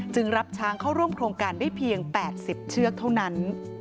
รับช้างเข้าร่วมโครงการได้เพียง๘๐เชือกเท่านั้น